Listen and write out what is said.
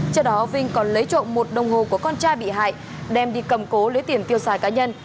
trước đó vinh còn lấy trộm một đồng hồ của con trai bị hại đem đi cầm cố lấy tiền tiêu xài cá nhân